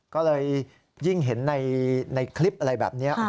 ก็เลยยิ่งเห็นในคลิปอะไรแบบนี้